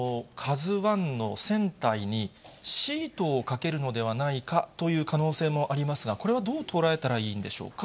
ＫＡＺＵＩの船体にシートをかけるのではないかという可能性もありますが、これはどう捉えたらいいんでしょうか。